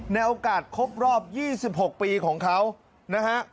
ในโอกาสครบรอบ๒๖ปีของเขานะฮะ